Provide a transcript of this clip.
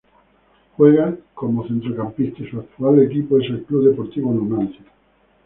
Juega como centrocampista y su actual equipo es el Club Deportivo Numancia.